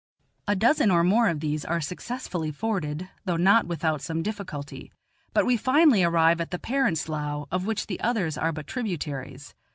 A dozen or more of these are successfully forded, though not without some difficulty; but we finally arrive at the parent slough, of which the others are but tributaries.